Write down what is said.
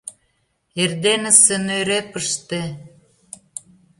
Эрденысе — нӧрепыште.